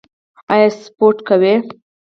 ایا سپورت کوئ؟